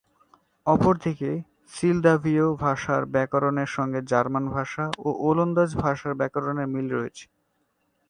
অপরদিকে সিলদাভীয় ভাষার ব্যাকরণের সঙ্গে জার্মান ভাষা ও ওলন্দাজ ভাষার ব্যাকরণের মিল রয়েছে।